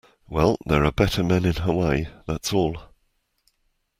Well, there are better men in Hawaii, that's all.